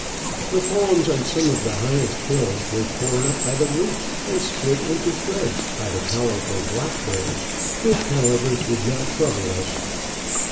The palms on some of the highest hills were torn up by the roots and split into shreds by the powerful black bears, which, however, did not trouble us.